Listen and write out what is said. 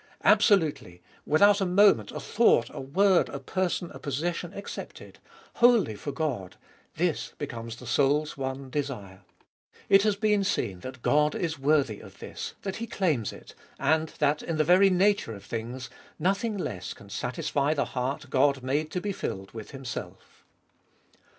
absolutely, without a moment, a thought, a word, a person, a possession, excepted ; wholly for God, this becomes the soul's one desire. It has seen that God is worthy of this, that He claims it, and that in the very nature of things, nothing less can satisfy the heart God made to be filled with Himself.